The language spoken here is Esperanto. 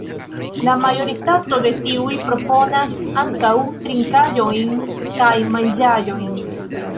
La majoritato de tiuj proponas ankaŭ trinkaĵojn kaj manĝaĵojn.